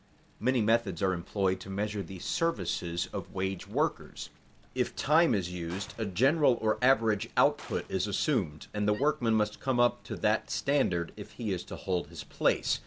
_ Many methods are employed to measure the services of wage workers. If time is used, a general or average output is assumed, and the workman must come up to that standard if he is to hold his place.